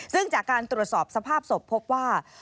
ซึ่งจากการตรวจสอบสภาพศพพบว่า